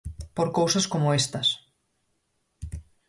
Por cousas como estas.